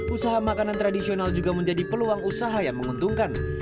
usaha makanan tradisional juga menjadi peluang usaha yang menguntungkan